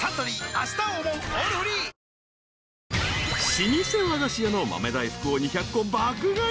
［老舗和菓子屋の豆大福を２００個爆買い］